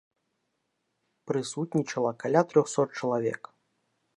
Прысутнічала каля трохсот чалавек.